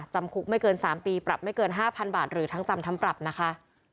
จำคุกไม่เกิน๓ปีปรับไม่เกิน๕๐๐๐บาทหรือทั้งจำทั้งปรับนะคะ